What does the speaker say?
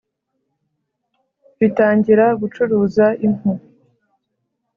bitangira gucuruza impu